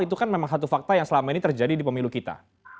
itu kan memang satu fakta yang selama ini terjadi di pemilu kita